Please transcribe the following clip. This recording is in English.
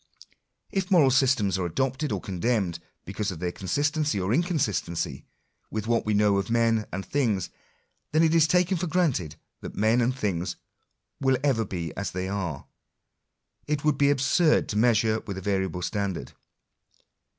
If moral systems are adopted or condemned, because of their con sistency or inconsistency, with what we know of men and things, then it is taken for granted that men and things will ever be as they are. It would be absurd to measure with a * variable standard.